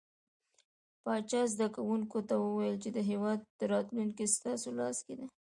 پاچا زده کوونکو ته وويل چې د هيواد راتلونکې ستاسو لاس کې ده .